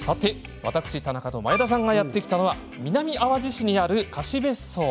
私、田中と前田さんがやって来たのは南あわじ市にある貸し別荘。